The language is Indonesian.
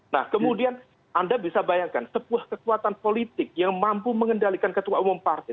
nah kemudian anda bisa bayangkan sebuah kekuatan politik yang mampu mengendalikan ketua umum partai